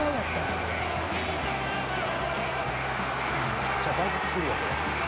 「めっちゃバズってるよこれ」